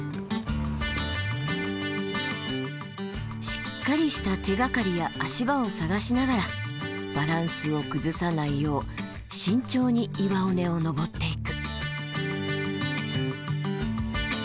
しっかりした手がかりや足場を探しながらバランスを崩さないよう慎重に岩尾根を登っていく。